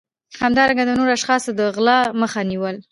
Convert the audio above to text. همدارنګه د نورو اشخاصو د غلا مخه نیول